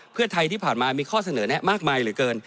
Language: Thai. เพื่อไทยที่ผ่านมามีข้อเสนอแนะมากมายเหลือเกิน